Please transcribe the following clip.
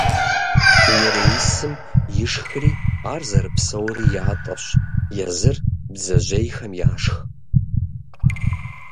Нереисым ишхри ар зэрыпсэури ятӀэщ, езыр бдзэжьейхэм яшх.